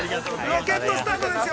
ロケットスタートですよ！